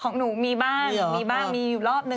ของหนูมีบ้างมีบ้างมีรอบหนึ่ง